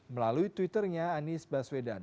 melalui twitternya anies baswedan